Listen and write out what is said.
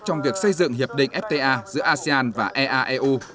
trong việc xây dựng hiệp định fta giữa asean và eaeu